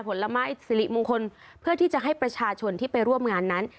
ผลไม้สิริมงคลเพื่อที่จะให้ประชาชนที่ไปร่วมงานนั้น